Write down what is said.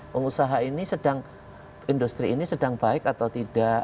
pengusaha ini sedang industri ini sedang baik atau tidak